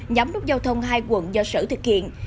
nhắm nút giao thông hai quận do sở thực hiện